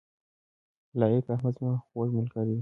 لائق احمد زما خوږ ملګری دی